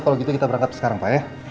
kalau gitu kita berangkat sekarang pak ya